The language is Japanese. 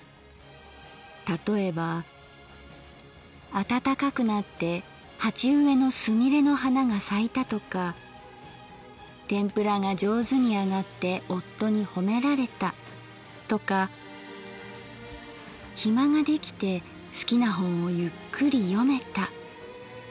例えば暖かくなって鉢植のすみれの花が咲いたとかてんぷらが上手に揚がって夫にほめられたとか暇ができて好きな本をゆっくり読めたなどなど。